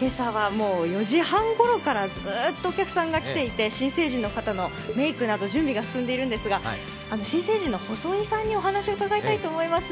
今朝は４時半ごろからずっとお客さんが来ていて新成人の方のメークなど準備が進んでいるんですが、新成人の細井さんにお話を伺いたいと思います。